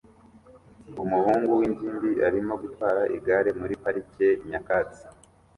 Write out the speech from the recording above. Umuhungu w'ingimbi arimo gutwara igare muri parike nyakatsi